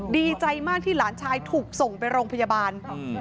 ดีใจมากที่หลานชายถูกส่งไปโรงพยาบาล